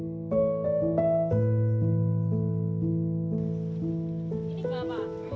namun kebetulan dia tidak bisa berjalan ke tempat tidur